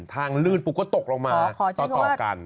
ลื่นปุ๊บก็ตกลงมาต่อกัน